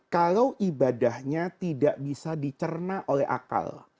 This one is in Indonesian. kalau ibadahnya tidak bisa dicerna oleh akal